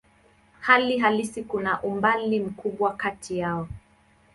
Hali halisi kuna umbali mkubwa kati yao.